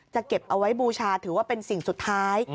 เก็บเอาไว้บูชาถือว่าเป็นสิ่งสุดท้าย